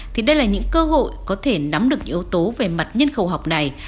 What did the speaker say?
thì đây là những cơ hội có thể nắm được những yếu tố về mặt nhân khẩu học này